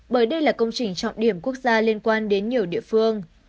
bởi đây là công trình trọng điểm quốc gia liên quan đến nhiều địa phương